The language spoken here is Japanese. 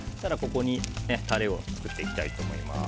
ここにタレを作っていきたいと思います。